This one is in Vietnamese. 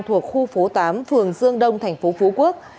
thuộc khu phố tám phường dương đông tp phú quốc